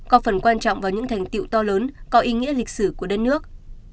có phần quan trọng vào những thành tiệu to lớn có ý nghĩa lịch sử của đất nước